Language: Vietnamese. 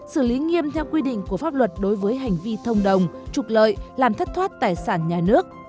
xử lý nghiêm theo quy định của pháp luật đối với hành vi thông đồng trục lợi làm thất thoát tài sản nhà nước